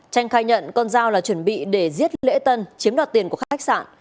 tranh khai nhận con dao là chuẩn bị để giết lễ tân chiếm đoạt tiền của khách sạn